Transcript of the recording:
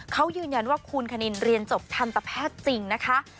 เขายืนยันว่าคุณคณินเรียนจบทันตแพทย์จริงนะคะ